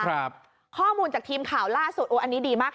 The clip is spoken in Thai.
ข้อมูลจากทีมข่าวล่าสุดโอ้อันนี้ดีมาก